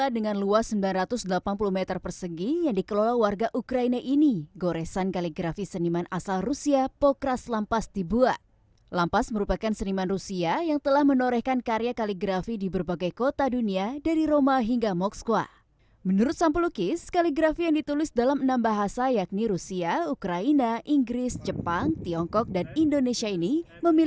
dunia versatu di sini